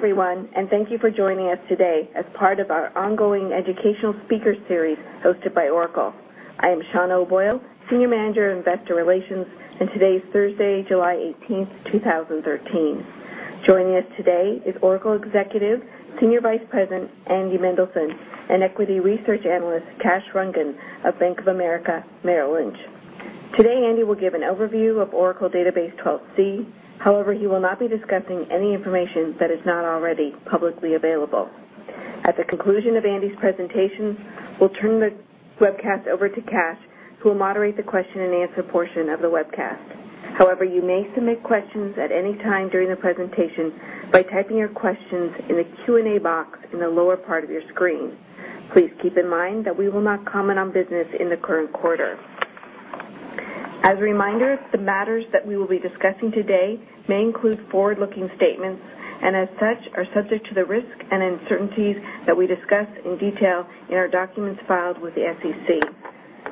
Hello, everyone, and thank you for joining us today as part of our ongoing educational speaker series hosted by Oracle. I am Shauna O'Boyle, Senior Manager, Investor Relations, and today is Thursday, July 18th, 2013. Joining us today is Oracle Executive Senior Vice President, Andy Mendelsohn, and Equity Research Analyst, Kash Rangan of Bank of America Merrill Lynch. Today, Andy Mendelsohn will give an overview of Oracle Database 12c. He will not be discussing any information that is not already publicly available. At the conclusion of Andy Mendelsohn's presentation, we'll turn the webcast over to Kash Rangan, who will moderate the question and answer portion of the webcast. You may submit questions at any time during the presentation by typing your questions in the Q&A box in the lower part of your screen. Please keep in mind that we will not comment on business in the current quarter. As a reminder, the matters that we will be discussing today may include forward-looking statements, and as such, are subject to the risk and uncertainties that we discuss in detail in our documents filed with the SEC.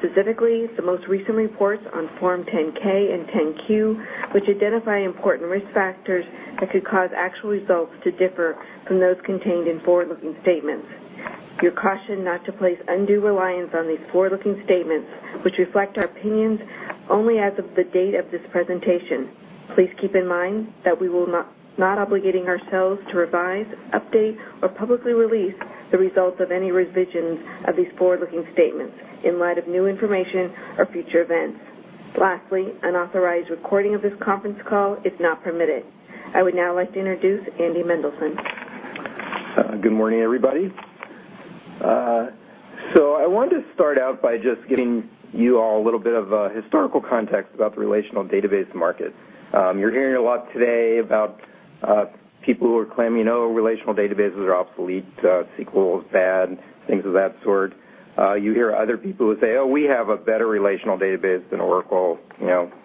Specifically, the most recent reports on Form 10-K and Form 10-Q, which identify important risk factors that could cause actual results to differ from those contained in forward-looking statements. You're cautioned not to place undue reliance on these forward-looking statements, which reflect our opinions only as of the date of this presentation. Please keep in mind that we will not obligating ourselves to revise, update, or publicly release the results of any revisions of these forward-looking statements in light of new information or future events. Unauthorized recording of this conference call is not permitted. I would now like to introduce Andy Mendelsohn. Good morning, everybody. I wanted to start out by just giving you all a little bit of a historical context about the relational database market. You're hearing a lot today about people who are claiming, "Oh, relational databases are obsolete, SQL is bad," things of that sort. You hear other people who say, "Oh, we have a better relational database than Oracle.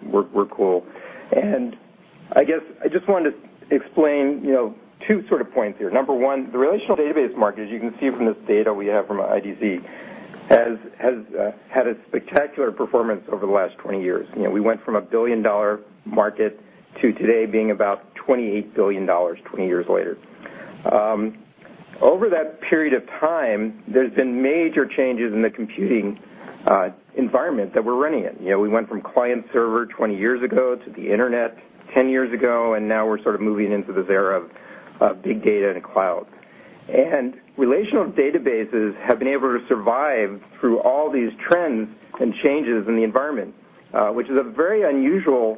We're cool." I guess I just wanted to explain two points here. Number one, the relational database market, as you can see from this data we have from IDC, has had a spectacular performance over the last 20 years. We went from a billion-dollar market to today being about $28 billion, 20 years later. Over that period of time, there's been major changes in the computing environment that we're running in. We went from client server 20 years ago to the internet 10 years ago, and now we're sort of moving into this era of big data and cloud. Relational databases have been able to survive through all these trends and changes in the environment, which is a very unusual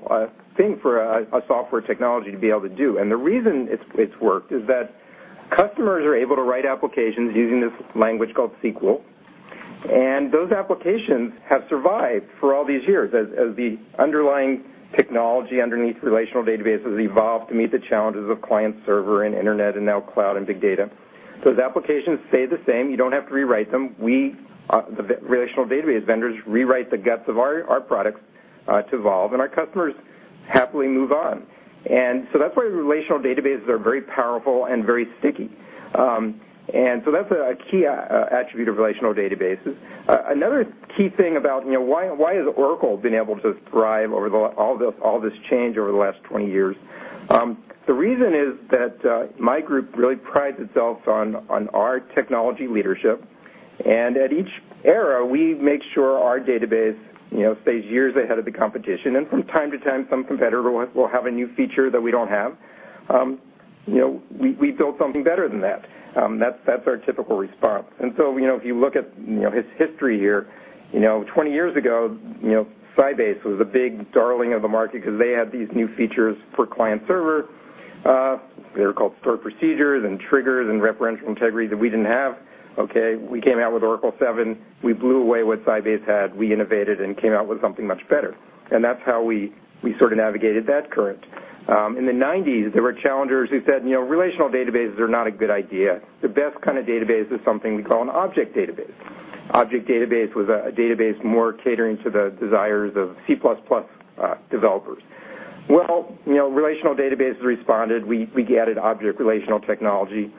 thing for a software technology to be able to do. The reason it's worked is that customers are able to write applications using this language called SQL, and those applications have survived for all these years as the underlying technology underneath relational databases evolved to meet the challenges of client server and internet and now cloud and big data. Those applications stay the same. You don't have to rewrite them. We, the relational database vendors, rewrite the guts of our products to evolve, and our customers happily move on. That's why relational databases are very powerful and very sticky. That's a key attribute of relational databases. Why has Oracle been able to thrive over all this change over the last 20 years? The reason is that my group really prides itself on our technology leadership. At each era, we make sure our database stays years ahead of the competition. From time to time, some competitor will have a new feature that we don't have. We build something better than that. That's our typical response. If you look at its history here, 20 years ago, Sybase was a big darling of the market because they had these new features for client server. They were called stored procedures and triggers and referential integrity that we didn't have. Okay, we came out with Oracle 7. We blew away what Sybase had. We innovated and came out with something much better. That's how we sort of navigated that current. In the '90s, there were challengers who said relational databases are not a good idea. The best kind of database is something we call an object database. Object database was a database more catering to the desires of C++ developers. Well, relational databases responded. We added object relational technology,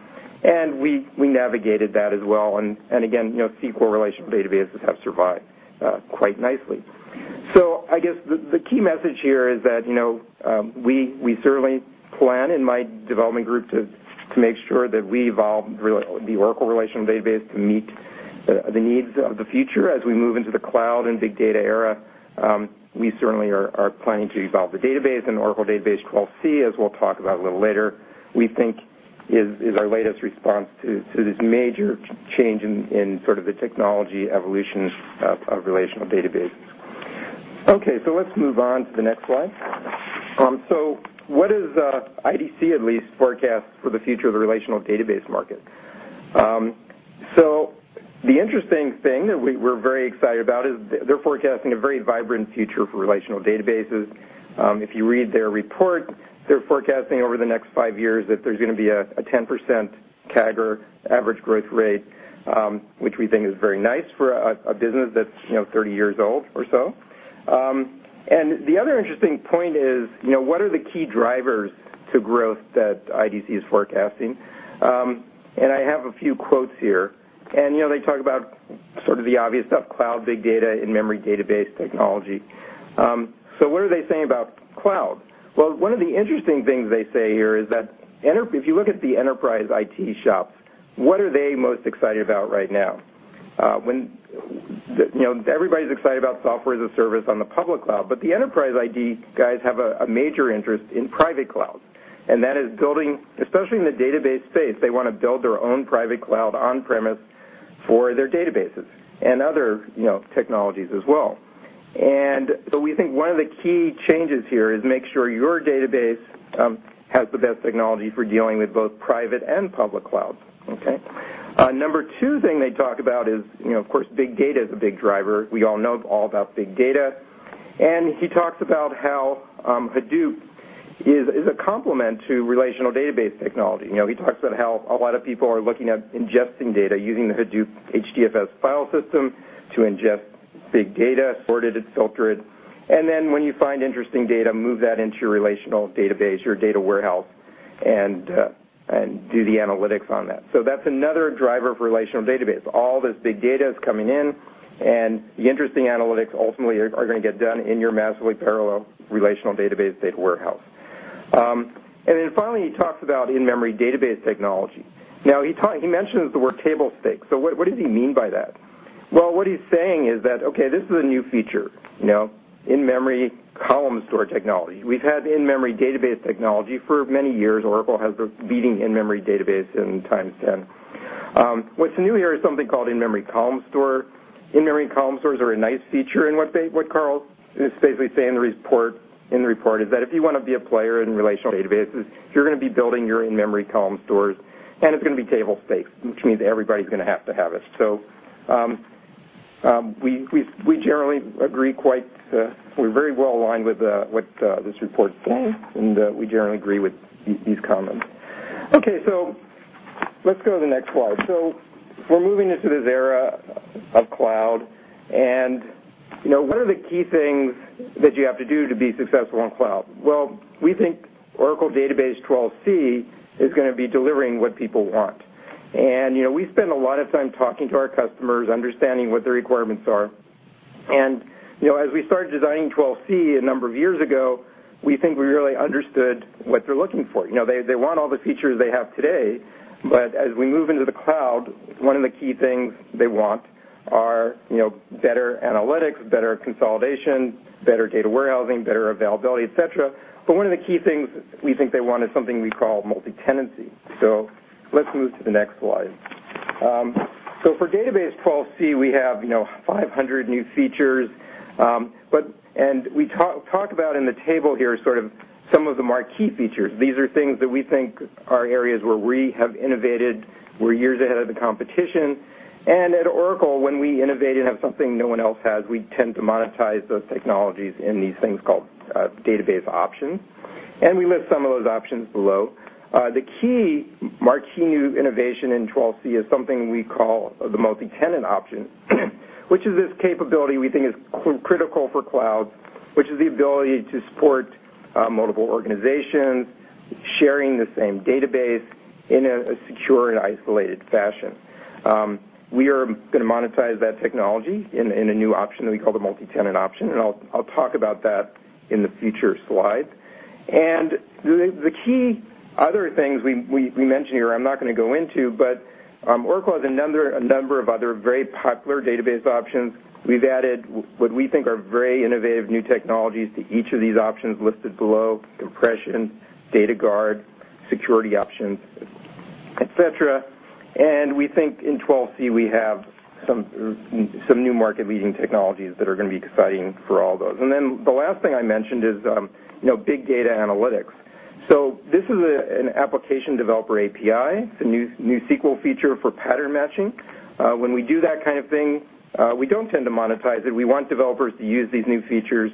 and we navigated that as well. Again, SQL relational databases have survived quite nicely. I guess the key message here is that we certainly plan in my development group to make sure that we evolve the Oracle relational database to meet the needs of the future. As we move into the cloud and big data era, we certainly are planning to evolve the database and Oracle Database 12c, as we'll talk about a little later, we think is our latest response to this major change in the technology evolution of relational databases. Let's move on to the next slide. What does IDC at least forecast for the future of the relational database market? The interesting thing that we're very excited about is they're forecasting a very vibrant future for relational databases. If you read their report, they're forecasting over the next five years that there's going to be a 10% CAGR average growth rate, which we think is very nice for a business that's 30 years old or so. The other interesting point is, what are the key drivers to growth that IDC is forecasting? I have a few quotes here. They talk about Sort of the obvious stuff, cloud, big data, in-memory database technology. What are they saying about cloud? Well, one of the interesting things they say here is that if you look at the enterprise IT shops, what are they most excited about right now? Everybody's excited about software as a service on the public cloud, but the enterprise IT guys have a major interest in private cloud, and that is building, especially in the database space, they want to build their own private cloud on-premise for their databases and other technologies as well. We think one of the key changes here is make sure your database has the best technology for dealing with both private and public clouds. Okay? Number two thing they talk about is, of course, big data is a big driver. We all know all about big data. He talks about how Hadoop is a complement to relational database technology. He talks about how a lot of people are looking at ingesting data using the Hadoop HDFS file system to ingest big data, sort it, and filter it, and then when you find interesting data, move that into your relational database, your data warehouse, and do the analytics on that. That's another driver of relational database. All this big data is coming in, and the interesting analytics ultimately are going to get done in your massively parallel relational database data warehouse. Finally, he talks about in-memory database technology. He mentions the word table stakes. What does he mean by that? What he's saying is that, okay, this is a new feature, in-memory column store technology. We've had in-memory database technology for many years. Oracle has the leading in-memory database in TimesTen. What's new here is something called in-memory column store. In-memory column stores are a nice feature, what Carl is basically saying in the report is that if you want to be a player in relational databases, you're going to be building your in-memory column stores, and it's going to be table stakes, which means everybody's going to have to have it. We generally agree quite. We're very well-aligned with what this report is saying, and we generally agree with these comments. Let's go to the next slide. We're moving into this era of cloud and what are the key things that you have to do to be successful in cloud? We think Oracle Database 12c is going to be delivering what people want. We spend a lot of time talking to our customers, understanding what their requirements are. As we started designing 12c a number of years ago, we think we really understood what they're looking for. They want all the features they have today, as we move into the cloud, one of the key things they want are better analytics, better consolidation, better data warehousing, better availability, et cetera. One of the key things we think they want is something we call multi-tenancy. Let's move to the next slide. For Database 12c, we have 500 new features. We talk about in the table here sort of some of the marquee features. These are things that we think are areas where we have innovated, we're years ahead of the competition. At Oracle, when we innovate and have something no one else has, we tend to monetize those technologies in these things called database options, and we list some of those options below. The key marquee new innovation in 12c is something we call the Multitenant option, which is this capability we think is critical for clouds, which is the ability to support multiple organizations sharing the same database in a secure and isolated fashion. We are going to monetize that technology in a new option that we call the Multitenant option, I'll talk about that in the future slides. The key other things we mention here, I'm not going to go into, but Oracle has a number of other very popular database options. We've added what we think are very innovative new technologies to each of these options listed below, compression, Data Guard, security options, et cetera. We think in 12c, we have some new market-leading technologies that are going to be exciting for all those. The last thing I mentioned is big data analytics. This is an application developer API. It's a new SQL feature for pattern matching. When we do that kind of thing, we don't tend to monetize it. We want developers to use these new features,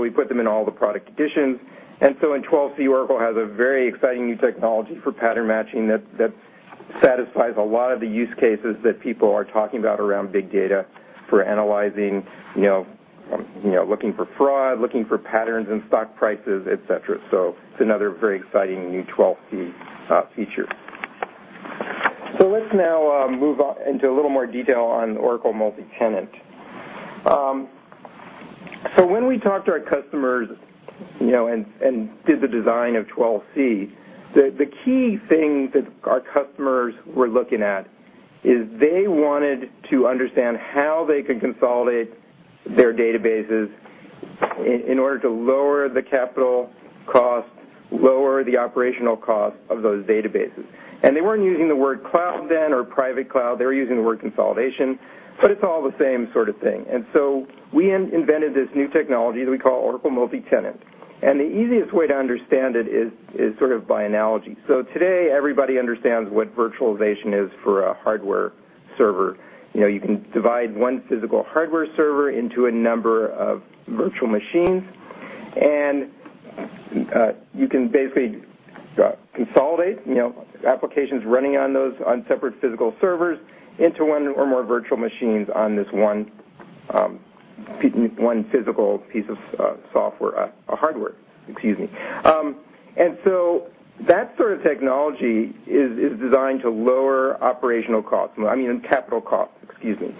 we put them in all the product editions. In 12c, Oracle has a very exciting new technology for pattern matching that satisfies a lot of the use cases that people are talking about around big data for analyzing, looking for fraud, looking for patterns in stock prices, et cetera. It's another very exciting new 12c feature. Let's now move into a little more detail on Oracle Multitenant. When we talked to our customers and did the design of 12c, the key thing that our customers were looking at is they wanted to understand how they could consolidate their databases in order to lower the capital cost, lower the operational cost of those databases. They weren't using the word cloud then or private cloud. They were using the word consolidation, but it's all the same sort of thing. We invented this new technology that we call Oracle Multitenant. The easiest way to understand it is sort of by analogy. Today, everybody understands what virtualization is for a hardware server. You can divide one physical hardware server into a number of virtual machines, and you can basically consolidate applications running on separate physical servers into one or more virtual machines on this one physical server. One physical piece of hardware. That sort of technology is designed to lower operational costs, I mean, capital costs, excuse me.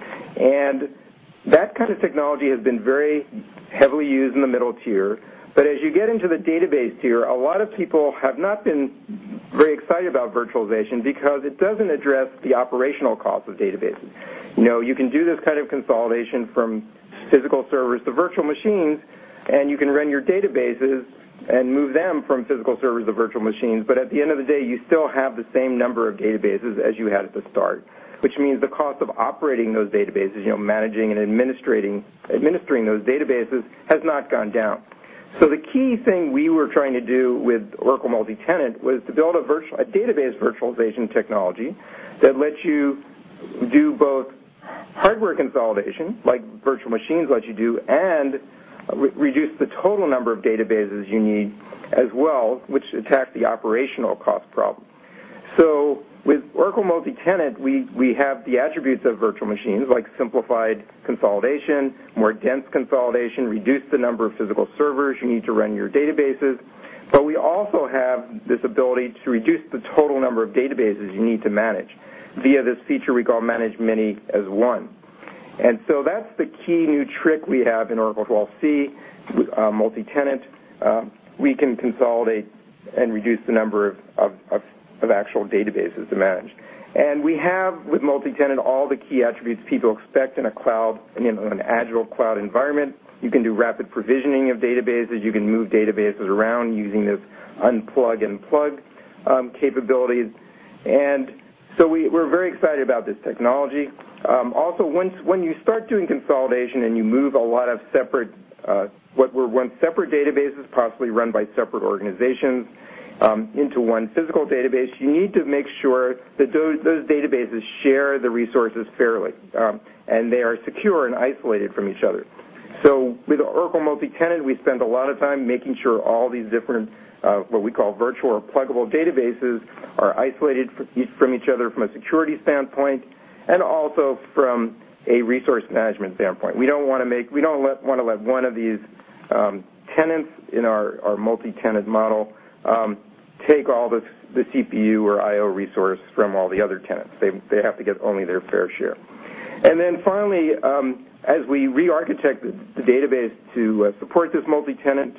That kind of technology has been very heavily used in the middle tier. As you get into the database tier, a lot of people have not been very excited about virtualization because it doesn't address the operational cost of databases. You can do this kind of consolidation from physical servers to virtual machines, and you can run your databases and move them from physical servers to virtual machines. At the end of the day, you still have the same number of databases as you had at the start, which means the cost of operating those databases, managing and administering those databases, has not gone down. The key thing we were trying to do with Oracle Multitenant was to build a database virtualization technology that lets you do both hardware consolidation, like virtual machines let you do, and reduce the total number of databases you need as well, which attacks the operational cost problem. With Oracle Multitenant, we have the attributes of virtual machines, like simplified consolidation, more dense consolidation, reduce the number of physical servers you need to run your databases. We also have this ability to reduce the total number of databases you need to manage via this feature we call Manage Many as One. That's the key new trick we have in Oracle 12c Multitenant. We can consolidate and reduce the number of actual databases to manage. We have, with Multitenant, all the key attributes people expect in an agile cloud environment. You can do rapid provisioning of databases. You can move databases around using this unplug and plug capabilities. We're very excited about this technology. Also, when you start doing consolidation and you move a lot of what were once separate databases, possibly run by separate organizations, into one physical database, you need to make sure that those databases share the resources fairly, and they are secure and isolated from each other. With Oracle Multitenant, we spend a lot of time making sure all these different, what we call virtual or pluggable databases, are isolated from each other from a security standpoint and also from a resource management standpoint. We don't want to let one of these tenants in our multitenant model take all the CPU or I/O resource from all the other tenants. They have to get only their fair share. Finally, as we rearchitect the database to support this multitenant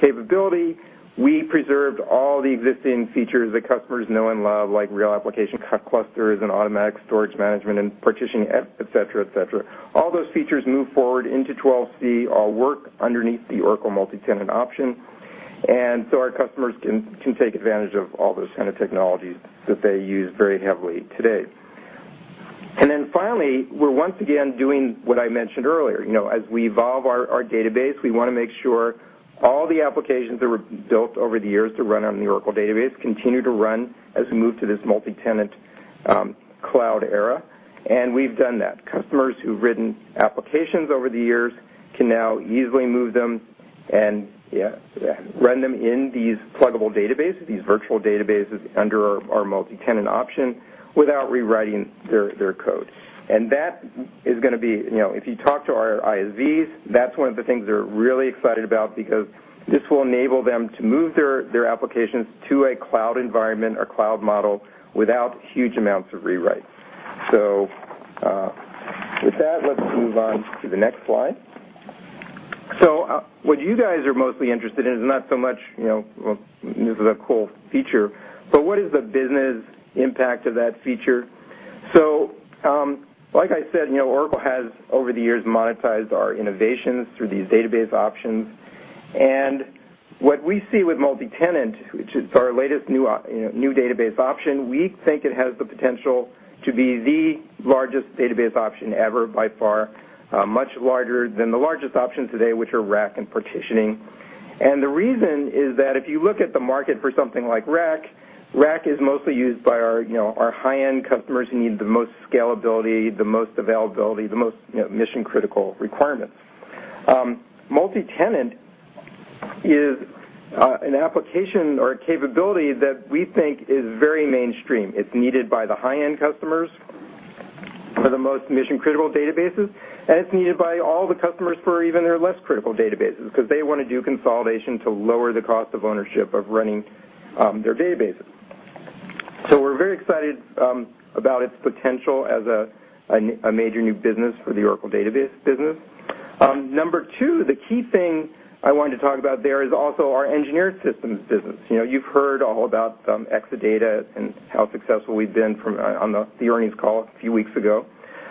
capability, we preserved all the existing features that customers know and love, like Real Application Clusters and Automatic Storage Management and partitioning, et cetera. All those features move forward into 12c, all work underneath the Oracle Multitenant option. Our customers can take advantage of all those kind of technologies that they use very heavily today. Finally, we're once again doing what I mentioned earlier. As we evolve our database, we want to make sure all the applications that were built over the years to run on the Oracle Database continue to run as we move to this multitenant cloud era, and we've done that. Customers who've written applications over the years can now easily move them and run them in these plugable databases, these virtual databases under our multitenant option, without rewriting their code. If you talk to our ISVs, that's one of the things they're really excited about because this will enable them to move their applications to a cloud environment or cloud model without huge amounts of rewrites. With that, let's move on to the next slide. What you guys are mostly interested in is not so much, this is a cool feature, but what is the business impact of that feature? Like I said, Oracle has over the years monetized our innovations through these database options. What we see with Oracle Multitenant, which is our latest new database option, we think it has the potential to be the largest database option ever by far, much larger than the largest options today, which are RAC and partitioning. The reason is that if you look at the market for something like RAC is mostly used by our high-end customers who need the most scalability, the most availability, the most mission-critical requirements. Oracle Multitenant is an application or a capability that we think is very mainstream. It's needed by the high-end customers for the most mission-critical databases, and it's needed by all the customers for even their less critical databases, because they want to do consolidation to lower the cost of ownership of running their databases. We're very excited about its potential as a major new business for the Oracle Database business. Number two, the key thing I wanted to talk about there is also our engineered systems business. You've heard all about Exadata and how successful we've been on the earnings call a few weeks ago.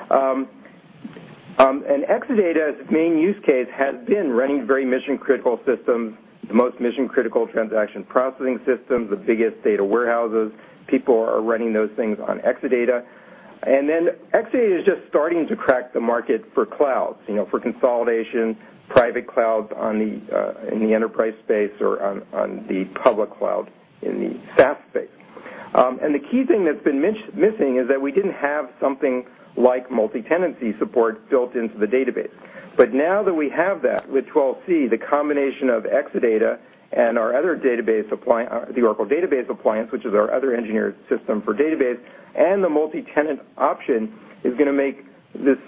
Exadata's main use case has been running very mission-critical systems, the most mission-critical transaction processing systems, the biggest data warehouses. People are running those things on Exadata. Then Exadata is just starting to crack the market for clouds, for consolidation, private clouds in the enterprise space or on the public cloud in the SaaS space. The key thing that's been missing is that we didn't have something like multitenancy support built into the database. Now that we have that with 12c, the combination of Exadata and the Oracle Database Appliance, which is our other engineered system for database, and the Oracle Multitenant option, is going to make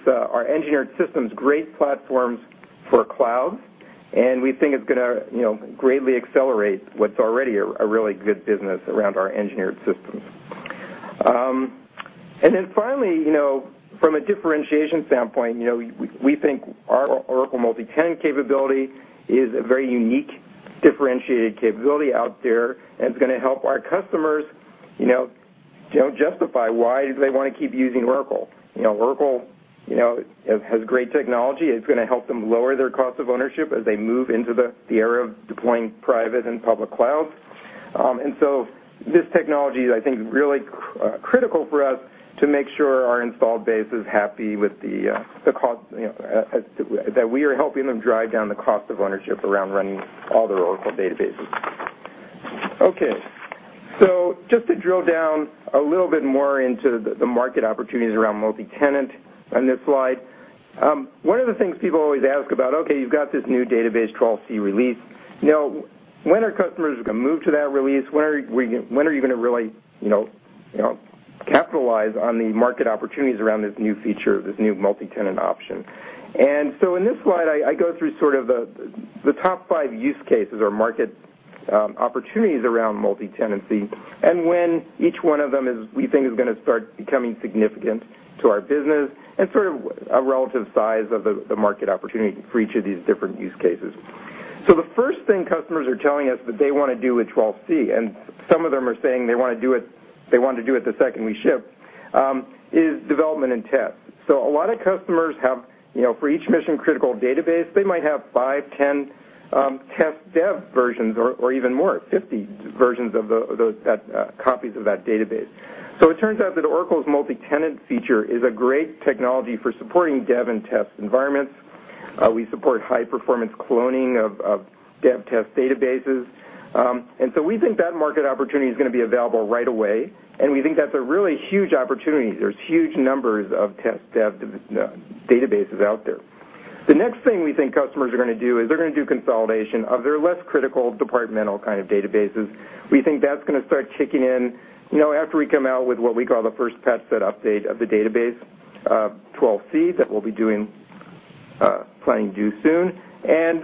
our engineered systems great platforms for clouds. We think it's going to greatly accelerate what's already a really good business around our engineered systems. Then finally, from a differentiation standpoint, we think our Oracle Multitenant capability is a very unique, differentiated capability out there, and it's going to help our customers justify why they want to keep using Oracle. Oracle has great technology. It's going to help them lower their cost of ownership as they move into the era of deploying private and public clouds. This technology is, I think, really critical for us to make sure our installed base is happy with the cost, that we are helping them drive down the cost of ownership around running all their Oracle databases. Just to drill down a little bit more into the market opportunities around Multitenant on this slide. One of the things people always ask about, okay, you've got this new database 12c release. When are customers going to move to that release? When are you going to really capitalize on the market opportunities around this new feature, this new Oracle Multitenant option? In this slide, I go through sort of the top five use cases or market opportunities around multitenancy and when each one of them we think is going to start becoming significant to our business and sort of a relative size of the market opportunity for each of these different use cases. The first thing customers are telling us that they want to do with 12c, and some of them are saying they want to do it the second we ship, is development and test. A lot of customers have, for each mission-critical database, they might have five, 10 test dev versions or even more, 50 versions of copies of that database. It turns out that Oracle's Multitenant feature is a great technology for supporting dev and test environments. We support high-performance cloning of dev test databases. We think that market opportunity is going to be available right away, and we think that's a really huge opportunity. There's huge numbers of test dev databases out there. The next thing we think customers are going to do is they're going to do consolidation of their less critical departmental kind of databases. We think that's going to start kicking in after we come out with what we call the first patch set update of the database, 12c, that we'll be planning to do soon.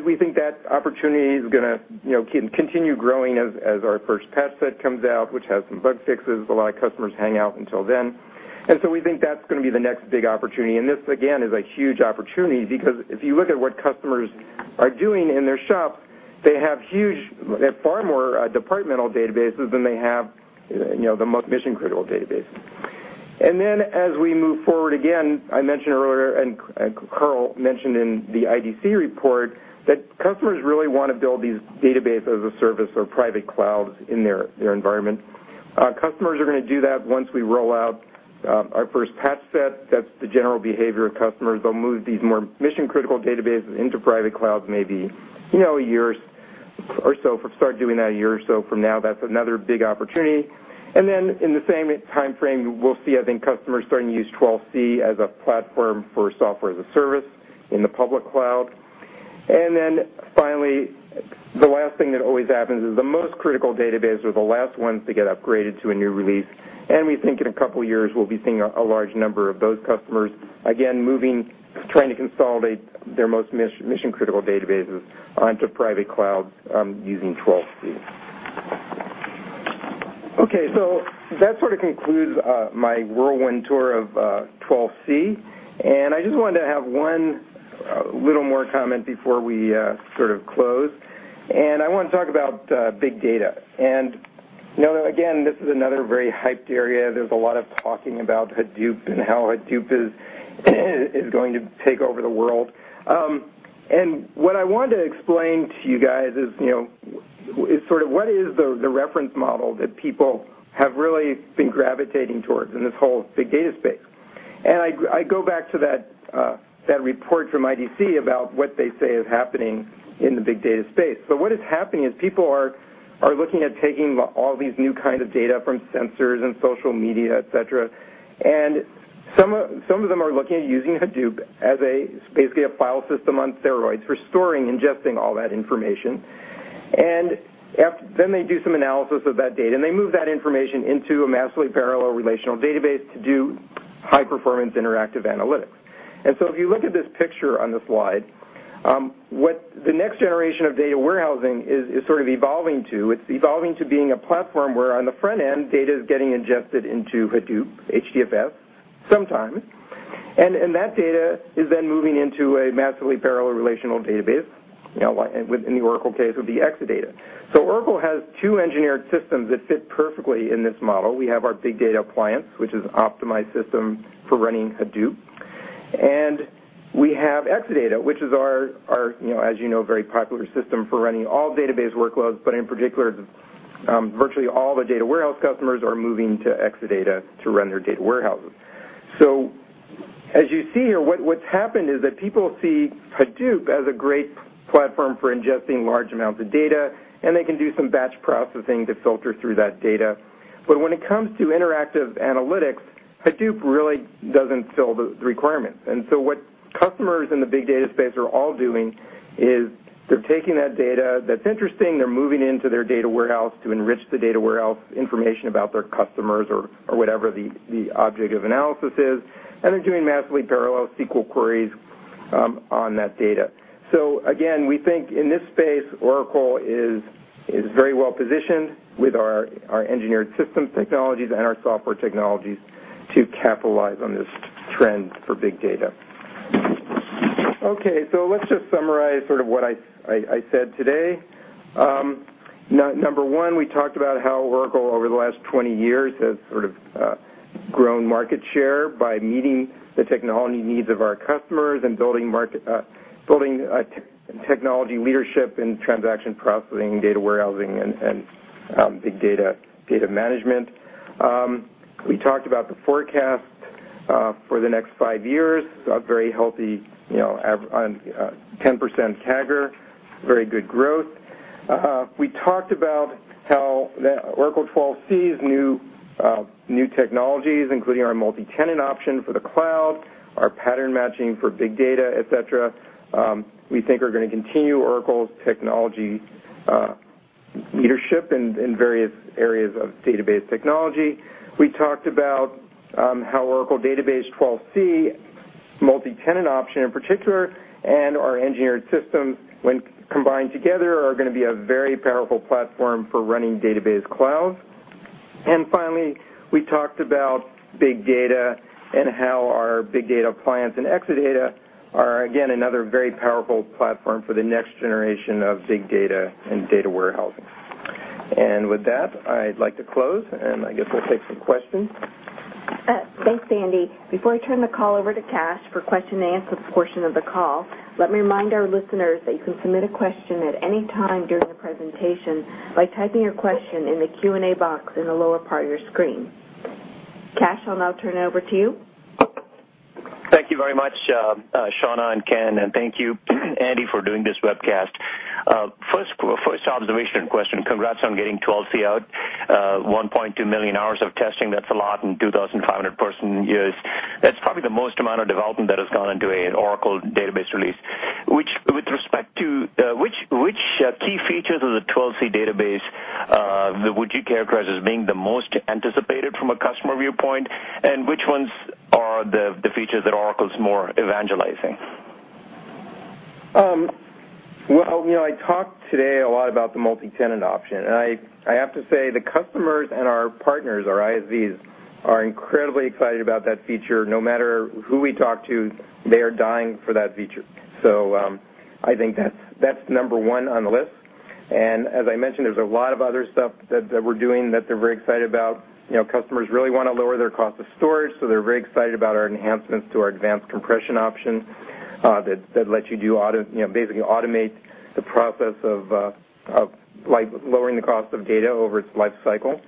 We think that opportunity is going to continue growing as our first patch set comes out, which has some bug fixes. A lot of customers hang out until then. We think that's going to be the next big opportunity. This, again, is a huge opportunity because if you look at what customers are doing in their shop, they have far more departmental databases than they have the most mission-critical databases. As we move forward, again, I mentioned earlier, and Carl mentioned in the IDC report, that customers really want to build these database as a service or private clouds in their environment. Customers are going to do that once we roll out our first patch set. That's the general behavior of customers. They'll move these more mission-critical databases into private clouds, maybe a year or so, start doing that a year or so from now. That's another big opportunity. In the same time frame, we'll see, I think, customers starting to use 12c as a platform for software as a service in the public cloud. Finally, the last thing that always happens is the most critical databases are the last ones to get upgraded to a new release. We think in a couple of years, we'll be seeing a large number of those customers, again, trying to consolidate their most mission-critical databases onto private clouds using 12c. That sort of concludes my whirlwind tour of 12c. I just wanted to have one little more comment before we sort of close, and I want to talk about big data. Again, this is another very hyped area. There's a lot of talking about Hadoop and how Hadoop is going to take over the world. What I wanted to explain to you guys is sort of what is the reference model that people have really been gravitating towards in this whole big data space? I go back to that report from IDC about what they say is happening in the big data space. What is happening is people are looking at taking all these new kinds of data from sensors and social media, et cetera, and some of them are looking at using Hadoop as basically a file system on steroids for storing, ingesting all that information. They do some analysis of that data, and they move that information into a massively parallel relational database to do high-performance interactive analytics. If you look at this picture on the slide, what the next generation of data warehousing is sort of evolving to, it's evolving to being a platform where on the front end, data is getting ingested into Hadoop, HDFS, sometimes, and that data is then moving into a massively parallel relational database. In the Oracle case, it would be Exadata. Oracle has two engineered systems that fit perfectly in this model. We have our Big Data Appliance, which is an optimized system for running Hadoop. We have Exadata, which is our, as you know, very popular system for running all database workloads, but in particular, virtually all the data warehouse customers are moving to Exadata to run their data warehouses. As you see here, what's happened is that people see Hadoop as a great platform for ingesting large amounts of data, they can do some batch processing to filter through that data. When it comes to interactive analytics, Hadoop really doesn't fill the requirements. What customers in the big data space are all doing is they're taking that data that's interesting, they're moving into their data warehouse to enrich the data warehouse information about their customers or whatever the object of analysis is, they're doing massively parallel SQL queries on that data. Again, we think in this space, Oracle is very well positioned with our engineered systems technologies and our software technologies to capitalize on this trend for big data. Okay. Let's just summarize sort of what I said today. Number one, we talked about how Oracle over the last 20 years has sort of grown market share by meeting the technology needs of our customers and building technology leadership in transaction processing, data warehousing, and big data management. We talked about the forecast for the next five years, a very healthy 10% CAGR. Very good growth. We talked about how Oracle 12c's new technologies, including our Multitenant option for the cloud, our pattern matching for big data, et cetera, we think are going to continue Oracle's technology leadership in various areas of database technology. We talked about how Oracle Database 12c Multitenant option in particular, and our engineered systems, when combined together, are going to be a very powerful platform for running database cloud. Finally, we talked about big data and how our Oracle Big Data Appliance and Exadata are, again, another very powerful platform for the next generation of big data and data warehousing. With that, I'd like to close, and I guess we'll take some questions. Thanks, Andy. Before I turn the call over to Kash for question and answers portion of the call, let me remind our listeners that you can submit a question at any time during the presentation by typing your question in the Q&A box in the lower part of your screen. Kash, I'll now turn it over to you. Thank you very much, Shauna and Ken, and thank you, Andy, for doing this webcast. First observation and question. Congrats on getting 12c out. 1.2 million hours of testing. That's a lot in 2,500 person years. That's probably the most amount of development that has gone into an Oracle Database release. With respect to which key features of the 12c Database, would you characterize as being the most anticipated from a customer viewpoint, and which ones are the features that Oracle's more evangelizing? I talked today a lot about the Multitenant option, and I have to say, the customers and our partners, our ISVs, are incredibly excited about that feature. No matter who we talk to, they are dying for that feature. I think that's number 1 on the list. As I mentioned, there's a lot of other stuff that we're doing that they're very excited about. Customers really want to lower their cost of storage, so they're very excited about our enhancements to our advanced compression option that lets you basically automate the process of lowering the cost of data over its life cycle.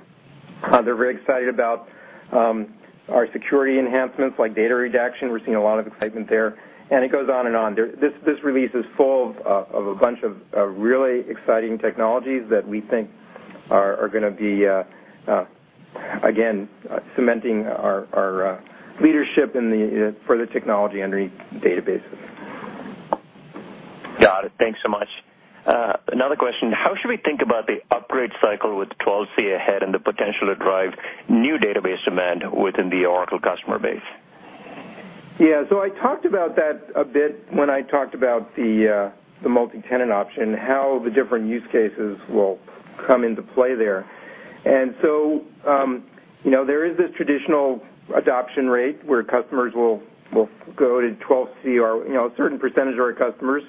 They're very excited about our security enhancements, like Data Redaction. We're seeing a lot of excitement there, and it goes on and on. This release is full of a bunch of really exciting technologies that we think are going to be, again, cementing our leadership for the technology under databases. Got it. Thanks so much. Another question. How should we think about the upgrade cycle with 12c ahead and the potential to drive new Database demand within the Oracle customer base? I talked about that a bit when I talked about the Multitenant option, how the different use cases will come into play there. There is this traditional adoption rate where customers will go to 12c or a certain percentage of our customers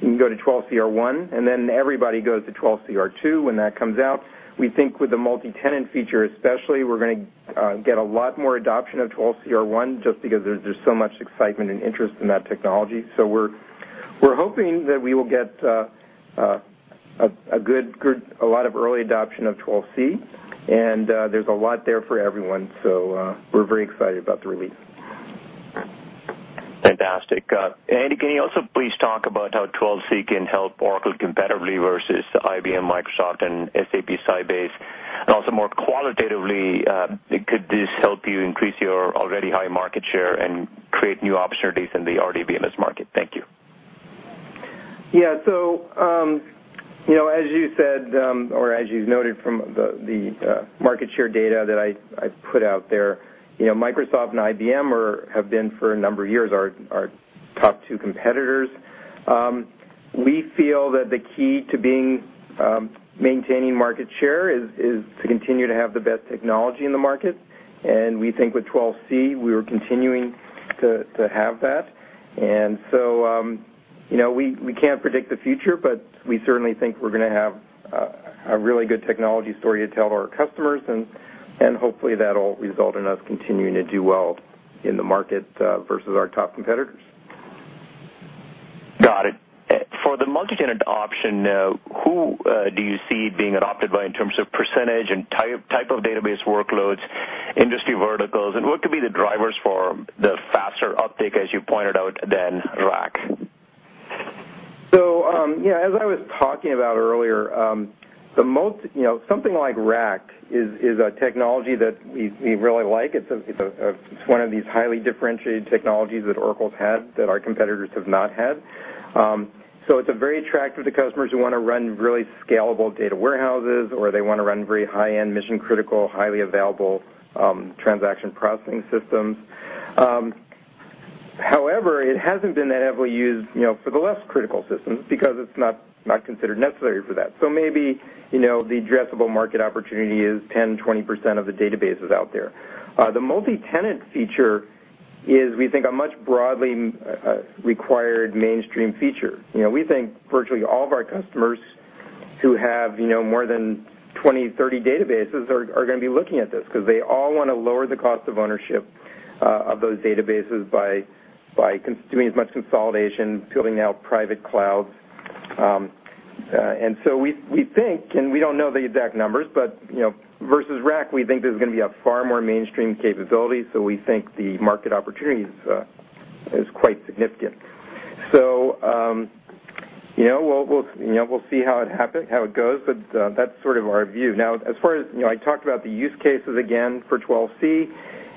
can go to 12c R1, and then everybody goes to 12c R2 when that comes out. We think with the Multitenant feature especially, we're going to get a lot more adoption of 12c R1 just because there's so much excitement and interest in that technology. We're hoping that we will get a lot of early adoption of 12c, and there's a lot there for everyone. We're very excited about the release. Fantastic. Andy, can you also please talk about how 12c can help Oracle competitively versus IBM, Microsoft, and SAP Sybase? Also more qualitatively, could this help you increase your already high market share and create new opportunities in the RDBMS market? Thank you. Yeah. As you said, or as you noted from the market share data that I put out there, Microsoft and IBM have been for a number of years our top two competitors. We feel that the key to maintaining market share is to continue to have the best technology in the market, and we think with 12c, we are continuing to have that. We can't predict the future, but we certainly think we're going to have a really good technology story to tell our customers, and hopefully, that'll result in us continuing to do well in the market versus our top competitors. Got it. For the Multitenant option, who do you see being adopted by in terms of percentage and type of database workloads, industry verticals, and what could be the drivers for the faster uptake, as you pointed out, than RAC? As I was talking about earlier, something like RAC is a technology that we really like. It's one of these highly differentiated technologies that Oracle's had that our competitors have not had. It's very attractive to customers who want to run really scalable data warehouses, or they want to run very high-end, mission-critical, highly available transaction processing systems. However, it hasn't been that heavily used for the less critical systems because it's not considered necessary for that. Maybe, the addressable market opportunity is 10, 20% of the databases out there. The Multitenant feature is, we think, a much broadly required mainstream feature. We think virtually all of our customers who have more than 20, 30 databases are going to be looking at this because they all want to lower the cost of ownership of those databases by doing as much consolidation, building out private clouds. We think, and we don't know the exact numbers, but versus RAC, we think this is going to be a far more mainstream capability. We think the market opportunity is quite significant. We'll see how it goes, but that's sort of our view. Now, as far as I talked about the use cases again for 12c,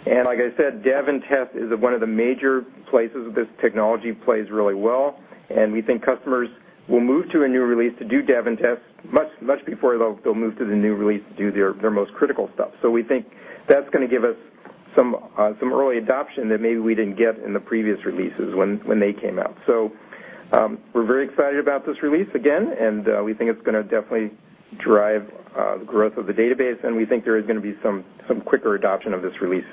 and like I said, dev and test is one of the major places that this technology plays really well, and we think customers will move to a new release to do dev and test much before they'll move to the new release to do their most critical stuff. We think that's going to give us some early adoption that maybe we didn't get in the previous releases when they came out. We're very excited about this release again, and we think it's going to definitely drive the growth of the database, and we think there is going to be some quicker adoption of this release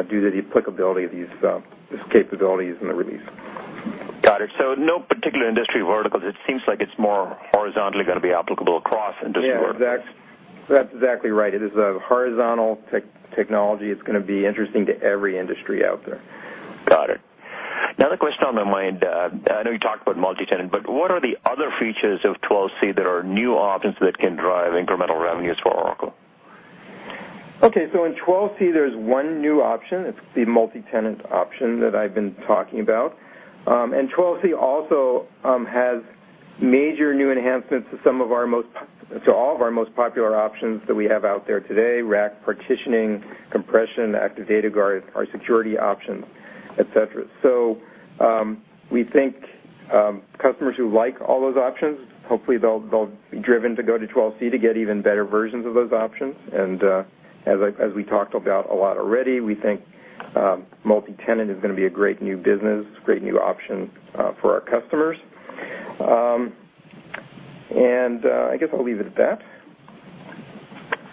due to the applicability of these capabilities in the release. Got it. No particular industry verticals. It seems like it's more horizontally going to be applicable across industry verticals. Yeah, that's exactly right. It is a horizontal technology. It's going to be interesting to every industry out there. Got it. Another question on my mind, I know you talked about Multitenant, what are the other features of 12c that are new options that can drive incremental revenues for Oracle? Okay. In 12c, there's one new option. It's the Multitenant option that I've been talking about. 12c also has major new enhancements to all of our most popular options that we have out there today, RAC partitioning, compression, Active Data Guard, our security options, et cetera. We think customers who like all those options, hopefully they'll be driven to go to 12c to get even better versions of those options, and as we talked about a lot already, we think Multitenant is going to be a great new business, great new option for our customers. I guess I'll leave it at that.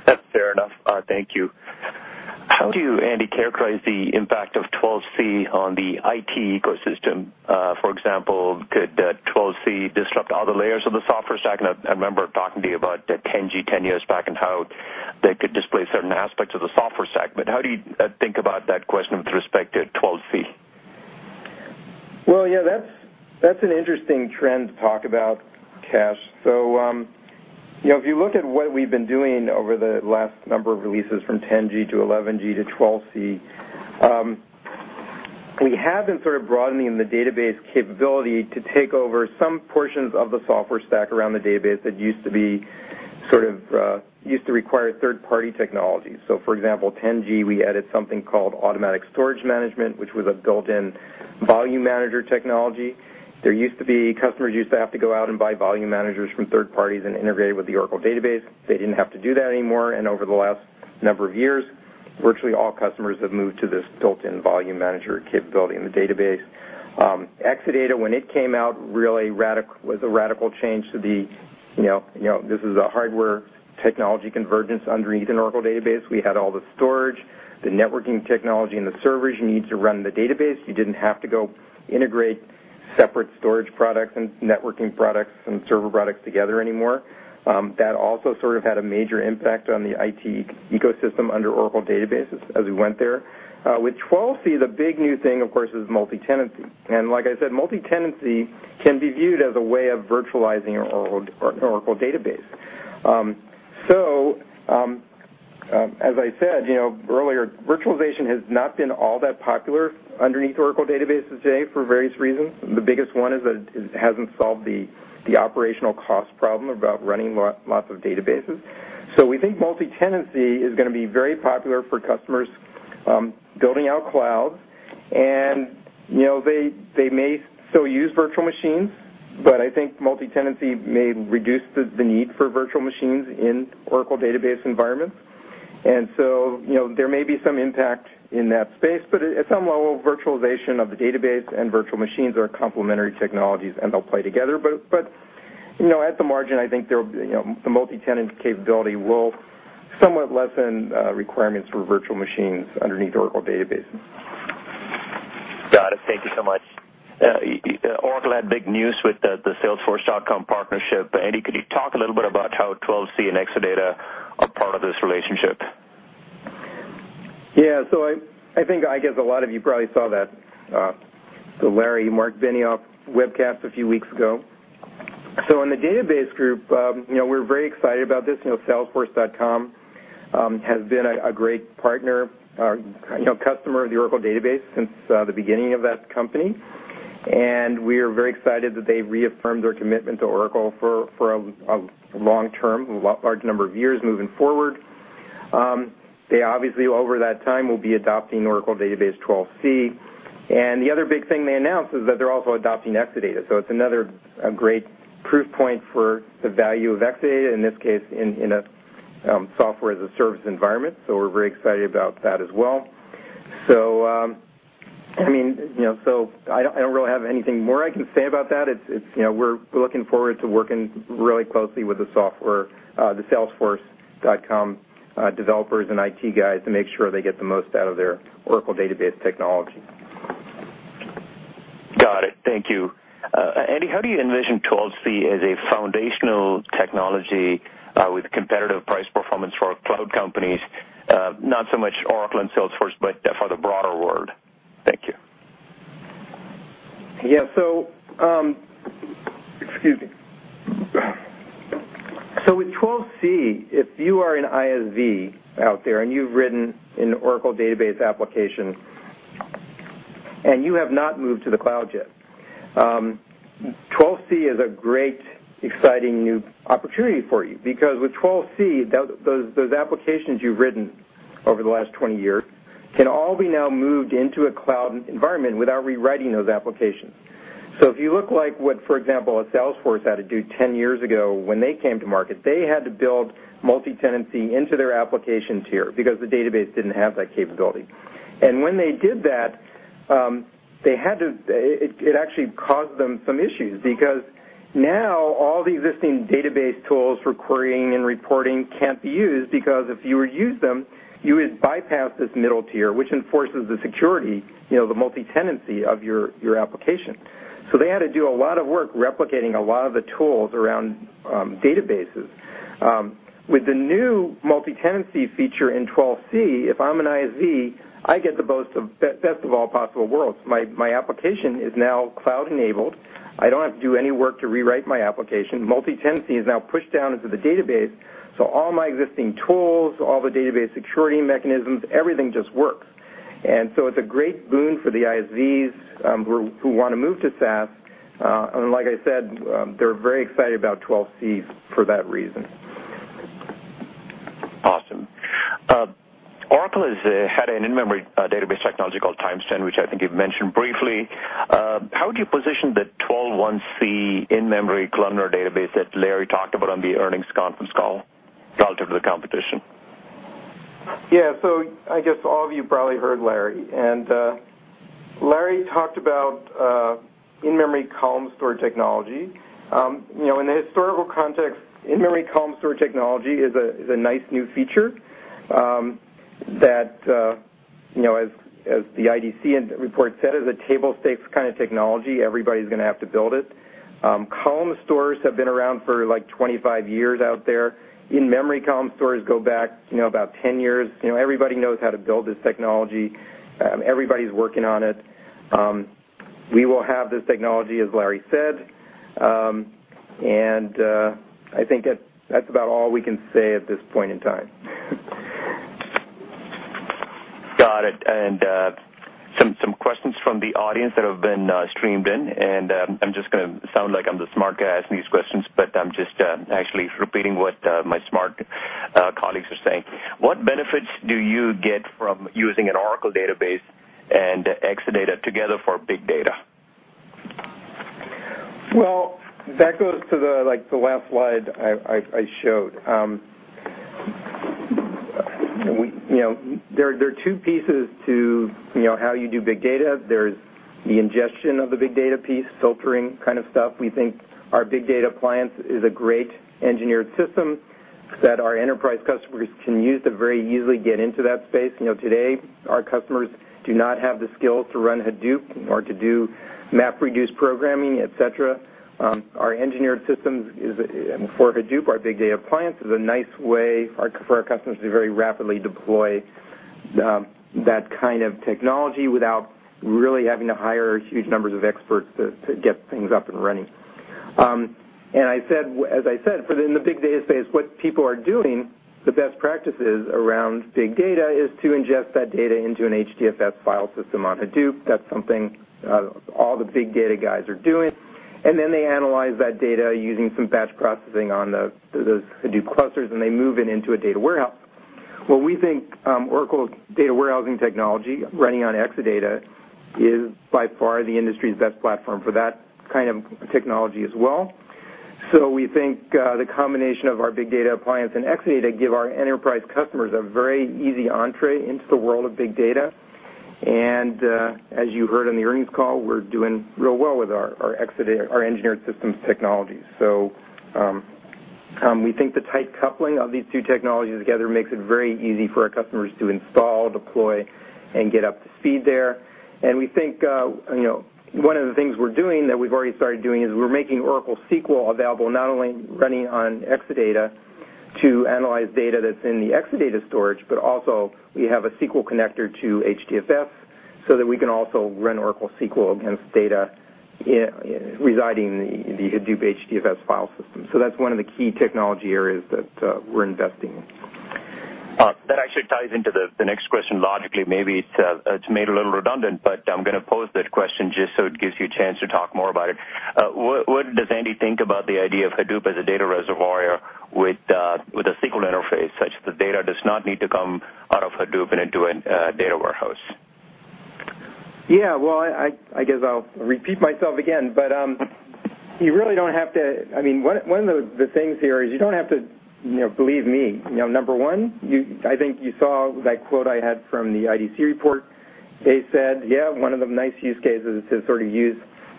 That's fair enough. Thank you. How do you, Andy, characterize the impact of 12c on the IT ecosystem? For example, could 12c disrupt other layers of the software stack? I remember talking to you about the 10g, 10 years back, and how that could displace certain aspects of the software stack. How do you think about that question with respect to 12c? Well, yeah, that's an interesting trend to talk about, Kash. If you look at what we've been doing over the last number of releases from 10g to 11g to 12c, we have been sort of broadening the database capability to take over some portions of the software stack around the database that used to require third-party technology. For example, 10g, we added something called Automatic Storage Management, which was a built-in volume manager technology. Customers used to have to go out and buy volume managers from third parties and integrate it with the Oracle Database. They didn't have to do that anymore, and over the last number of years, virtually all customers have moved to this built-in volume manager capability in the database. Exadata, when it came out, really was a radical change, this is a hardware technology convergence underneath an Oracle Database. We had all the storage, the networking technology, and the servers you need to run the database. You didn't have to go integrate separate storage products and networking products and server products together anymore. That also sort of had a major impact on the IT ecosystem under Oracle Databases as we went there. With 12c, the big new thing, of course, is multi-tenancy. Like I said, multi-tenancy can be viewed as a way of virtualizing our Oracle Database. As I said earlier, virtualization has not been all that popular underneath Oracle Databases today for various reasons. The biggest one is that it hasn't solved the operational cost problem about running lots of databases. We think multi-tenancy is going to be very popular for customers building out clouds, and they may still use virtual machines, but I think multi-tenancy may reduce the need for virtual machines in Oracle Database environments. There may be some impact in that space, but at some level, virtualization of the database and virtual machines are complementary technologies, and they'll play together. At the margin, I think the multi-tenant capability will somewhat lessen requirements for virtual machines underneath Oracle Databases. Got it. Thank you so much. Oracle had big news with the Salesforce.com partnership. Andy, could you talk a little bit about how 12c and Exadata are part of this relationship? Yeah. I think, I guess a lot of you probably saw that, the Larry and Marc Benioff webcast a few weeks ago. In the database group, we're very excited about this. Salesforce.com has been a great partner, customer of the Oracle Database since the beginning of that company, and we are very excited that they've reaffirmed their commitment to Oracle for a long term, a large number of years moving forward. They obviously over that time will be adopting Oracle Database 12c. The other big thing they announced is that they're also adopting Exadata. It's another great proof point for the value of Exadata, in this case, in a software as a service environment. We're very excited about that as well. I don't really have anything more I can say about that. We're looking forward to working really closely with the software, the Salesforce.com developers and IT guys to make sure they get the most out of their Oracle Database technology. Got it. Thank you. Andy, how do you envision 12c as a foundational technology, with competitive price performance for cloud companies? Not so much Oracle and Salesforce, but for the broader world. Thank you. Yeah. Excuse me. With 12c, if you are an ISV out there and you've written an Oracle Database application and you have not moved to the cloud yet, 12c is a great, exciting new opportunity for you. Because with 12c, those applications you've written over the last 20 years can all be now moved into a cloud environment without rewriting those applications. If you look like what, for example, a Salesforce had to do 10 years ago when they came to market, they had to build multi-tenancy into their application tier because the database didn't have that capability. When they did that, it actually caused them some issues because now all the existing database tools for querying and reporting can't be used because if you were to use them, you would bypass this middle tier, which enforces the security, the multi-tenancy of your application. They had to do a lot of work replicating a lot of the tools around databases. With the new multi-tenancy feature in 12c, if I'm an ISV, I get the best of all possible worlds. My application is now cloud-enabled. I don't have to do any work to rewrite my application. Multi-tenancy is now pushed down into the database, so all my existing tools, all the database security mechanisms, everything just works. It's a great boon for the ISVs who want to move to SaaS. Like I said, they're very excited about 12c for that reason. Awesome. Oracle has had an in-memory database technology called TimesTen, which I think you've mentioned briefly. How would you position the 12c in-memory columnar database that Larry talked about on the earnings conference call relative to the competition? Yeah. I guess all of you probably heard Larry. Larry talked about in-memory column store technology. In the historical context, in-memory column store technology is a nice new feature, that as the IDC report said, is a table stakes technology. Everybody's going to have to build it. Column stores have been around for 25 years out there. In-memory column stores go back about 10 years. Everybody knows how to build this technology. Everybody's working on it. We will have this technology, as Larry said. I think that's about all we can say at this point in time. Got it. Some questions from the audience that have been streamed in, and I'm just going to sound like I'm the smart guy asking these questions, but I'm just actually repeating what my smart colleagues are saying. What benefits do you get from using an Oracle Database and Exadata together for big data? That goes to the last slide I showed. There are two pieces to how you do big data. There is the ingestion of the big data piece, filtering kind of stuff. We think our Oracle Big Data Appliance is a great engineered system that our enterprise customers can use to very easily get into that space. Today, our customers do not have the skills to run Hadoop or to do MapReduce programming, et cetera. Our engineered systems for Hadoop, our Oracle Big Data Appliance, is a nice way for our customers to very rapidly deploy that kind of technology without really having to hire huge numbers of experts to get things up and running. As I said, in the big data space, what people are doing, the best practices around big data, is to ingest that data into an HDFS file system on Hadoop. That is something all the big data guys are doing. Then they analyze that data using some batch processing on those Hadoop clusters, and they move it into a data warehouse. We think Oracle's data warehousing technology running on Exadata is by far the industry's best platform for that kind of technology as well. We think the combination of our Oracle Big Data Appliance and Exadata give our enterprise customers a very easy entrée into the world of big data. As you heard in the earnings call, we are doing real well with our engineered systems technology. We think the tight coupling of these two technologies together makes it very easy for our customers to install, deploy, and get up to speed there. We think one of the things we are doing, that we have already started doing, is we are making Oracle SQL available not only running on Exadata to analyze data that is in the Exadata storage, but also we have a SQL connector to HDFS so that we can also run Oracle SQL against data residing in the Hadoop HDFS file system. That is one of the key technology areas that we are investing in. That actually ties into the next question logically. Maybe it is made a little redundant, but I am going to pose that question just so it gives you a chance to talk more about it. What does Andy think about the idea of Hadoop as a data reservoir with a SQL interface, such that data does not need to come out of Hadoop and into a data warehouse? Yeah. Well, I guess I'll repeat myself again, but one of the things here is you don't have to believe me. Number one, I think you saw that quote I had from the IDC report. They said, yeah, one of the nice use cases is to use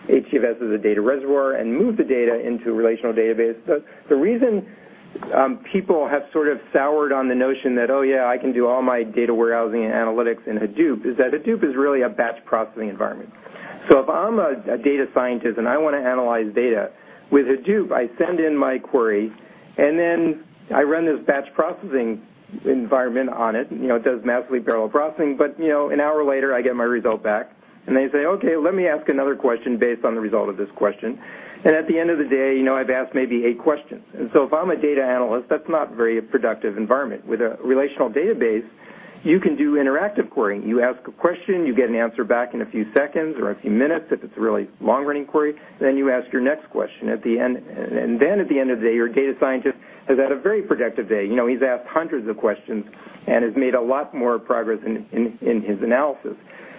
HDFS as a data reservoir and move the data into a relational database. The reason people have sort of soured on the notion that, oh, yeah, I can do all my data warehousing and analytics in Hadoop, is that Hadoop is really a batch processing environment. If I'm a data scientist and I want to analyze data, with Hadoop, I send in my query, and then I run this batch processing environment on it. It does massively parallel processing, but an hour later, I get my result back, and they say, "Okay, let me ask another question based on the result of this question." At the end of the day, I've asked maybe eight questions. If I'm a data analyst, that's not a very productive environment. With a relational database, you can do interactive querying. You ask a question, you get an answer back in a few seconds or a few minutes if it's a really long-running query, then you ask your next question. At the end of the day, your data scientist has had a very productive day. He's asked hundreds of questions and has made a lot more progress in his analysis.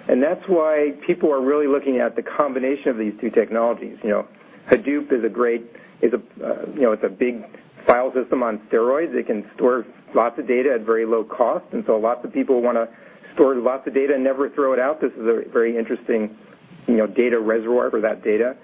That's why people are really looking at the combination of these two technologies. Hadoop is a big file system on steroids. It can store lots of data at very low cost, and so lots of people want to store lots of data and never throw it out. This is a very interesting data reservoir for that data.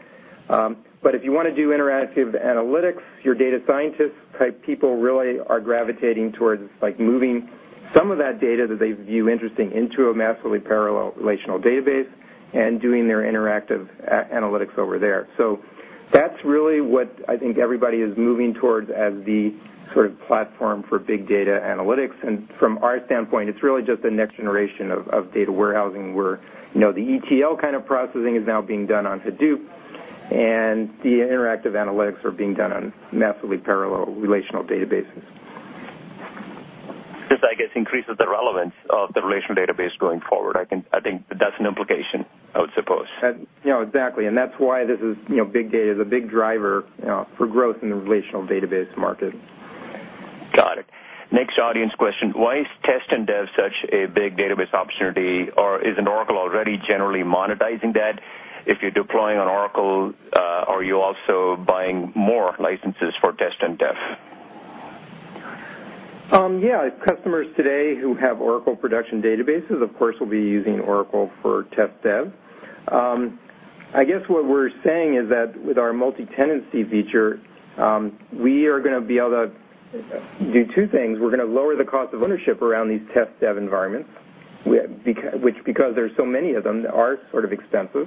If you want to do interactive analytics, your data scientist-type people really are gravitating towards moving some of that data that they view interesting into a massively parallel relational database and doing their interactive analytics over there. That's really what I think everybody is moving towards as the platform for big data analytics. From our standpoint, it's really just the next generation of data warehousing, where the ETL kind of processing is now being done on Hadoop, and the interactive analytics are being done on massively parallel relational databases. This, I guess, increases the relevance of the relational database going forward. I think that's an implication, I would suppose. Exactly. That's why Big Data is a big driver for growth in the relational database market. Got it. Next audience question. Why is test and dev such a big database opportunity, or isn't Oracle already generally monetizing that? If you're deploying on Oracle, are you also buying more licenses for test and dev? Yeah. Customers today who have Oracle production databases, of course, will be using Oracle for test dev. I guess what we're saying is that with our multi-tenancy feature, we are going to be able to do two things. We're going to lower the cost of ownership around these test dev environments, which, because there's so many of them, are sort of expensive,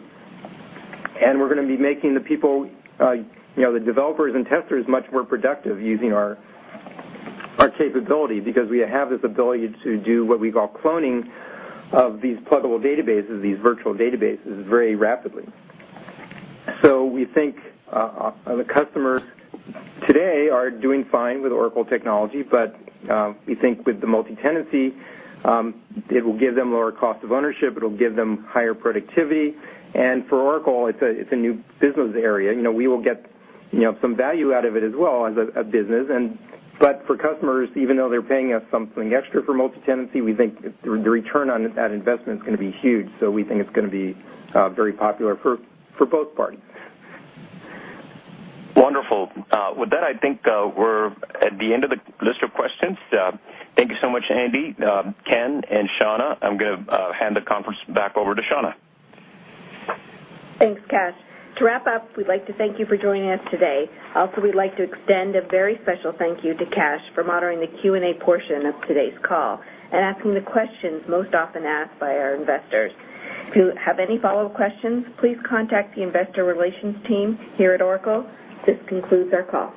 and we're going to be making the developers and testers much more productive using our capability because we have this ability to do what we call cloning of these pluggable databases, these virtual databases, very rapidly. We think the customers today are doing fine with Oracle technology, we think with the multi-tenancy, it'll give them lower cost of ownership, it'll give them higher productivity, and for Oracle, it's a new business area. We will get some value out of it as well as a business. For customers, even though they're paying us something extra for multi-tenancy, we think the return on that investment is going to be huge. We think it's going to be very popular for both parties. Wonderful. With that, I think we're at the end of the list of questions. Thank you so much, Andy, Ken, and Shauna. I'm going to hand the conference back over to Shauna. Thanks, Kash. To wrap up, we'd like to thank you for joining us today. We'd like to extend a very special thank you to Kash for monitoring the Q&A portion of today's call and asking the questions most often asked by our investors. If you have any follow-up questions, please contact the investor relations team here at Oracle. This concludes our call.